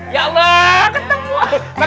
ya allah ketemu